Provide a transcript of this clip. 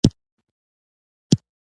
د کور بریا د اهلِ کور د اتحاد په نتیجه کې وي.